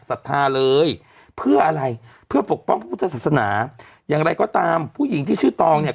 ศรัทธาเลยเพื่ออะไรเพื่อปกป้องพระพุทธศาสนาอย่างไรก็ตามผู้หญิงที่ชื่อตองเนี่ย